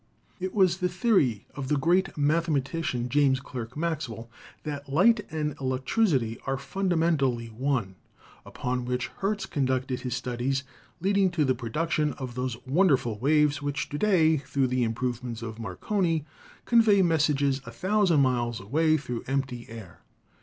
It was the theory of that great mathe matician James Clerk Maxwell, that light and electricity are fundamentally one, upon which Hertz conducted his studies leading to the production of those wonderful waves which to day, through the improvements of Marconi, con vey messages a thousand miles through empty air.